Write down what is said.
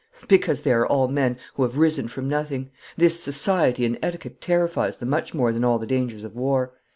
'Because they are all men who have risen from nothing. This society and etiquette terrifies them much more than all the dangers of war.